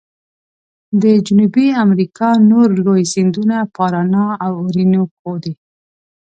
د جنوبي امریکا نور لوی سیندونه پارانا او اورینوکو دي.